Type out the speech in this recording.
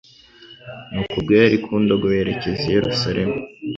Nuko ubwo yari ku ndogobe yerekeza i Yerusalemu,